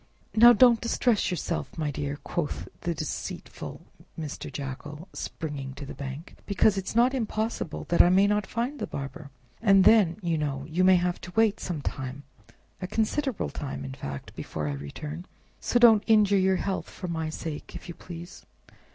"Now don't distress yourself, my dear!" quoth the deceitful Mr. Jackal, springing to the bank, "because it's not impossible that I may not find the barber, and then, you know, you may have to wait some time, a considerable time in fact, before I return. So don't injure your health for my sake, if you please."